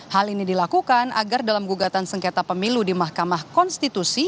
hal ini dilakukan agar dalam gugatan sengketa pemilu di mahkamah konstitusi